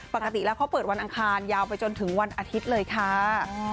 ปกติแล้วเขาเปิดวันอังคารยาวไปจนถึงวันอาทิตย์เลยค่ะ